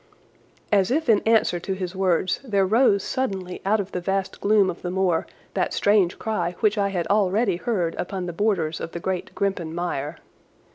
As if in answer to his words there rose suddenly out of the vast gloom of the moor that strange cry which I had already heard upon the borders of the great Grimpen Mire.